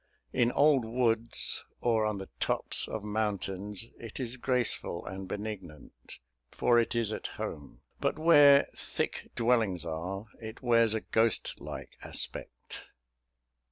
In old woods, or on the tops of mountains, it is graceful and benignant, for it is at home; but where thick dwellings are, it wears a ghost like aspect.